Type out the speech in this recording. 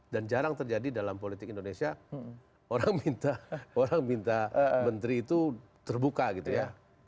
dan jarang terjadi dalam politik indonesia orang minta menteri itu terbuka gitu ya